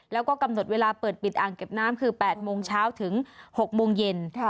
แล้วก็กำหนดเวลาเปิดปิดอ่างเก็บน้ำคือ๘โมงเช้าถึง๖โมงเย็น